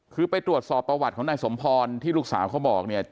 คือไปตรวจสอบประวัติของนายสมพรที่ลูกสาวเขาบอกเนี่ย